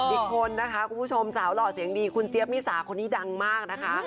อีกคนนะคะคุณผู้ชมสาวหล่อเสียงดีคุณเจี๊ยบมิสาคนนี้ดังมากนะคะ